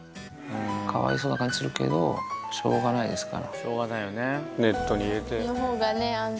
かわいそうな感じするけど、しょうがないですから。